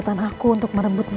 saya bakalan bunuhmu